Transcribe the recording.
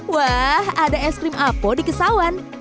wah ada es krim apo di kesawan